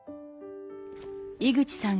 井口さん